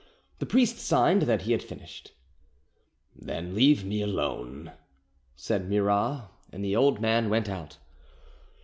The priest signed that he had finished. "Then leave me alone," said Murat; and the old man went out.